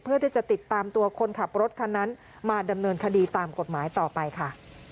เพื่อที่จะติดตามตัวคนขับรถคันนั้นมาดำเนินคดีตามกฎหมายต่อไปค่ะ